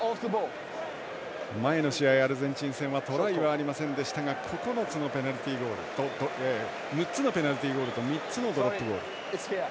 前の試合、アルゼンチン戦はトライはありませんでしたが６つのペナルティーゴールと３つのドロップボール。